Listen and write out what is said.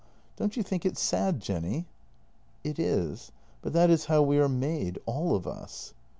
Don't you think it sad, Jenny? "" It is. But that is how we are made — all of us."